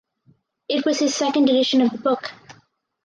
It was his second edition of the book.